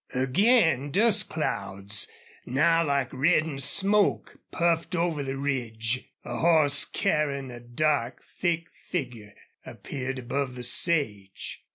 Again dust clouds, now like reddened smoke, puffed over the ridge. A horse carrying a dark, thick figure appeared above the sage.